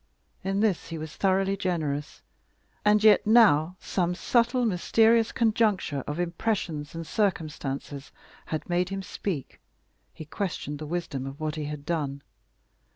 In this he was thoroughly generous; and yet, now some subtle, mysterious conjuncture of impressions and circumstances had made him speak, he questioned the wisdom of what he had done.